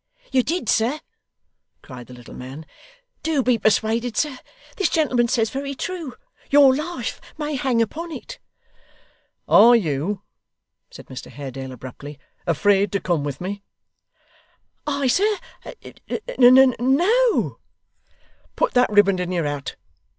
'You did, sir,' cried the little man. 'Do be persuaded, sir. This gentleman says very true. Your life may hang upon it.' 'Are you,' said Mr Haredale abruptly, 'afraid to come with me?' 'I, sir? N n no.' 'Put that riband in your hat.